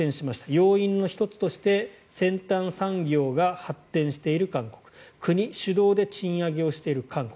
要因の１つとして先端産業が発展している韓国国主導で賃上げをしている韓国